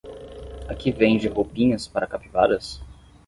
Aqui vende roupinhas para capivaras?